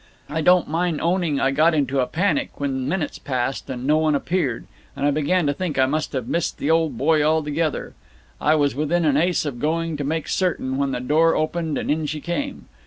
I don't mind owning I got into a panic when minutes passed and no one appeared, and I began to think I must have missed the old boy altogether. I was within an ace of going to make certain, when the door opened and in she came.